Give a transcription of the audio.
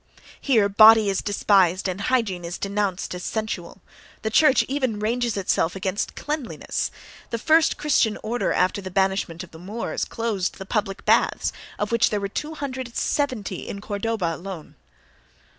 Here body is despised and hygiene is denounced as sensual; the church even ranges itself against cleanliness (—the first Christian order after the banishment of the Moors closed the public baths, of which there were 270 in Cordova alone).